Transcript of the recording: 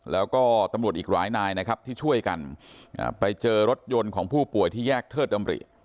แล้วก็ตำรวจอีกหลายนายนะครับที่ช่วยกันไปเจอรถยนต์ของผู้ป่วยที่แยกเทิดดำริ